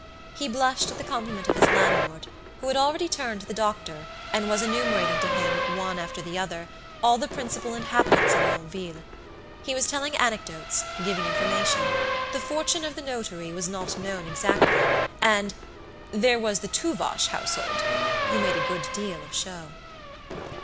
He blushed at the compliment of his landlord, who had already turned to the doctor, and was enumerating to him, one after the other, all the principal inhabitants of Yonville. He was telling anecdotes, giving information; the fortune of the notary was not known exactly, and "there was the Tuvache household," who made a good deal of show.